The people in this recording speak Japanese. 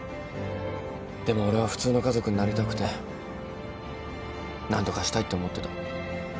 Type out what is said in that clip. でも俺は普通の家族になりたくて何とかしたいって思ってた。